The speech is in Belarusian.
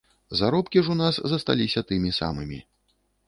Заробкі ж у нас засталіся тымі самымі.